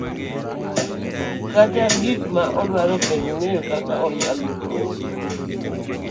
kata gik ma odwaro kendo ng'eyo kaka onyalo chiemo.